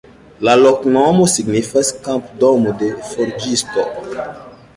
La loknomo signifas: kampo-domo-de forĝisto.